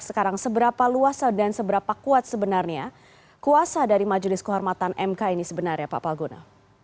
sekarang seberapa luas dan seberapa kuat sebenarnya kuasa dari majelis kehormatan mk ini sebenarnya pak palguna